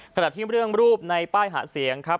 ขณะที่เรื่องรูปในป้ายหาเสียงครับ